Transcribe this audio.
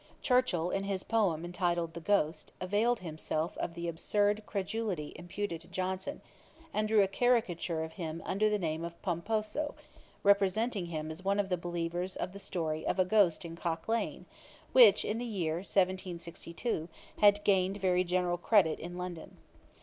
Churchill, in his poem entitled The Ghost, availed himself of the absurd credulity imputed to Johnson, and drew a caricature of him under the name of 'POMPOSO,' representing him as one of the believers of the story of a Ghost in Cock lane, which, in the year 1762, had gained very general credit in London.